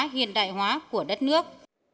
hiện đại hóa của đất nước